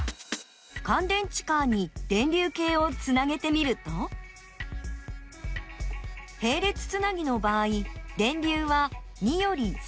かん電池カーに電流計をつなげてみるとへい列つなぎの場合電流は２より少し小さくなっています。